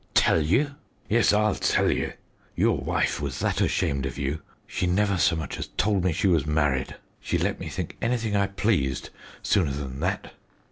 "Tell you? Yes, I'll tell you. Your wife was that ashamed of you, she never so much as told me she was married. She let me think anything I pleased sooner than that.